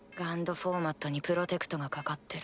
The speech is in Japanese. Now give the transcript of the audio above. フォーマットにプロテクトが掛かってる。